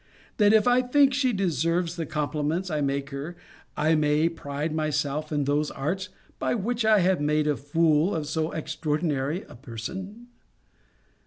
That if I think she deserves the compliments I make her, I may pride myself in those arts, by which I have made a fool of so extraordinary a person?